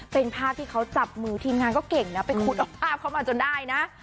เป็นภาพที่เขาจับมือทีมงานก็เก่งนะไปขุดเอาภาพเขามาจนได้นะ